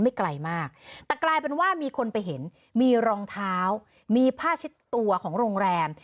ไกลมากแต่กลายเป็นว่ามีคนไปเห็นมีรองเท้ามีผ้าเช็ดตัวของโรงแรม